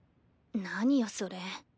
何よそれ。